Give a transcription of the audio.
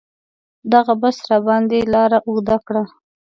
دغه بس راباندې لاره اوږده کړه.